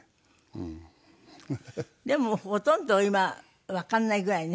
でもほとんど今わかんないぐらいね。